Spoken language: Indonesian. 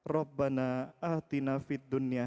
ya allah kami berdoa